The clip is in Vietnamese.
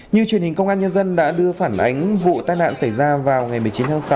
như truyền hình công an nhân dân đã đưa phản ánh vụ tai nạn xảy ra vào ngày một mươi chín tháng sáu